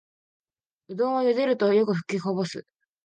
うどんをゆでるとよくふきこぼす